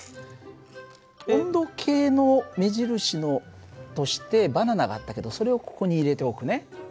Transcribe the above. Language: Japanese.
温度計の目印としてバナナがあったけどそれをここに入れておくね。